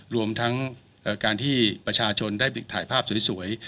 รวมทั้งการที่ประชาชนได้ถ่ายภาพสวย